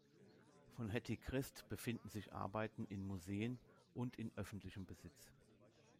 Von Hetty Krist befinden sich Arbeiten in Museen und in öffentlichem Besitz.